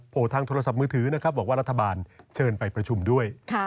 ทางโทรศัพท์มือถือนะครับบอกว่ารัฐบาลเชิญไปประชุมด้วย